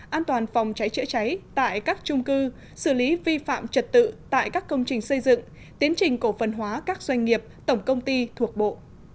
an toàn phòng cháy chữa cháy tại các trung cư xử lý vi phạm trật tự tại các công trình xây dựng tiến trình cổ phần hóa các doanh nghiệp tổng công ty thuộc bộ